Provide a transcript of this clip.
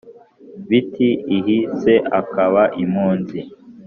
Biti ihi se, akaba impunzi